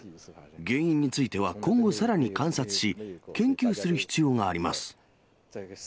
原因については、今後さらに観察し、研究する必要があります。